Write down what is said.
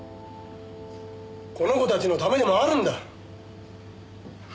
この子たちのためでもあるんだ。